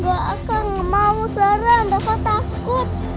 gak akan mau sarang kakak takut